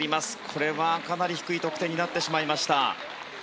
これはかなり低い得点になってしまいました。